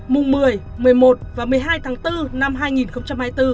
mùng một mươi một mươi một và một mươi hai tháng bốn năm hai nghìn hai mươi bốn